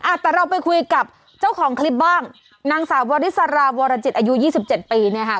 แต่เราไปคุยกับเจ้าของคลิปบ้างนางสาววริสราวรจิตอายุยี่สิบเจ็ดปีเนี่ยค่ะ